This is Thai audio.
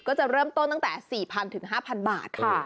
ก็จะเริ่มต้นตั้งแต่๔๐๐๕๐๐บาทค่ะ